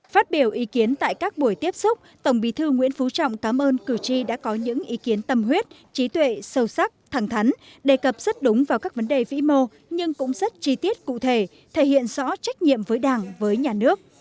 phát biểu ý kiến tại các buổi tiếp xúc tổng bí thư nguyễn phú trọng cảm ơn cử tri đã có những ý kiến tâm huyết trí tuệ sâu sắc thẳng thắn đề cập rất đúng vào các vấn đề vĩ mô nhưng cũng rất chi tiết cụ thể thể hiện rõ trách nhiệm với đảng với nhà nước